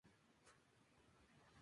Philip nació en Thrissur, Kerala.